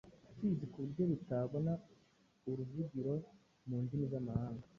Mpfizi ku buryo bitabona uruvugiro mu ndimi z'amahanga.